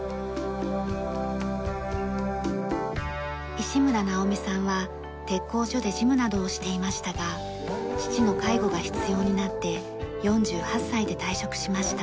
石村ナオミさんは鉄工所で事務などをしていましたが父の介護が必要になって４８歳で退職しました。